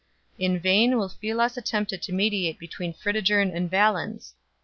In vain Ulfilas attempted to mediate between Fritigern and Valens.